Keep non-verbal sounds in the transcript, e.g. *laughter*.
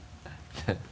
ハハハ *laughs*